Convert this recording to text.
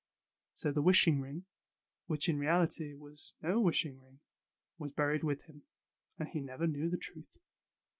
So the wishing ring, which in reality was no wishing ring, was buried with him, and he never knew the truth.